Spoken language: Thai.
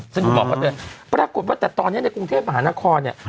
ซึ่งคุณหมอก็เตือนปรากฏว่าแต่ตอนนี้ในกรุงเทพมหานครเนี่ย